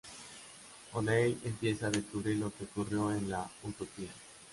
O'Neill empieza a descubrir lo que ocurrió en la utopía.